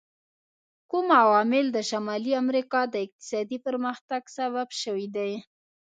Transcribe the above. کوم عوامل د شمالي امریکا د اقتصادي پرمختګ سبب شوي دي؟